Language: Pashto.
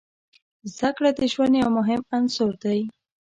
زده کړه د ژوند یو مهم عنصر دی.